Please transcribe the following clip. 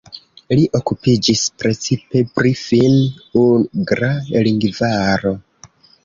Li okupiĝis precipe pri finn-ugra lingvaro.